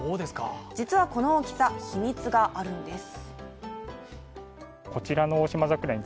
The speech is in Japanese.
実はこの大きさ、秘密があるんです。